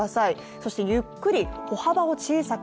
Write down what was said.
そしてゆっくり歩幅を小さく。